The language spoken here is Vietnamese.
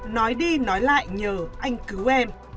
nói đi nói lại nhờ anh cứu em